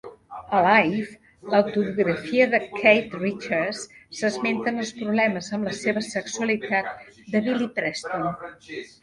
A "Life", l'autobiografia de Keith Richards, s'esmenten els problemes amb la seva sexualitat de Billy Preston.